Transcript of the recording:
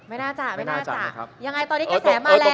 ตอนนี้กระแสมาแรง